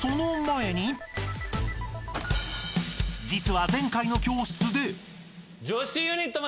［実は前回の教室で］